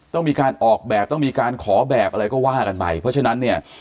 ต้องมีการออกแบบต้องมีการขอแบบอะไรก็ว่ากันไปเพราะฉะนั้นเนี่ย